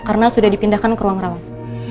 karena sudah dipindahkan ke ruang rawang